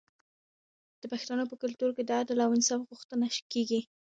د پښتنو په کلتور کې د عدل او انصاف غوښتنه کیږي.